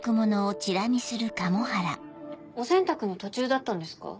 お洗濯の途中だったんですか？